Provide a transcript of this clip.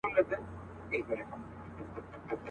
دا منم چي مي خپل ورڼه دي وژلي.